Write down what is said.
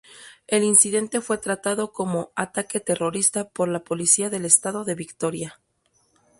El incidente fue tratado como "ataque terrorista" por la policía del estado de Victoria.